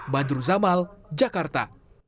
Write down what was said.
badru zamal jakarta